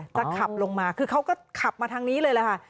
จะขับลงมาคือเขาก็ขับมาทางนี้เลยแหละค่ะ